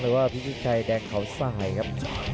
หรือว่าพีชชายแดงเขาสายครับ